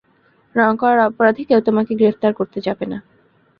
রং করার অপরাধে কেউ তোমাকে গ্রেফতার করতে যাবে না।